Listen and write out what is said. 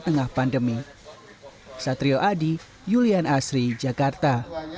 tengah pandemi satrio adi julian asri jakarta